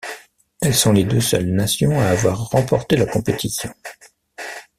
Elles sont les deux seules nations à avoir remporté la compétition.